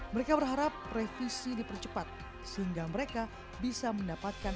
mereka berharap revisi dipercepat sehingga mereka bisa mendapatkan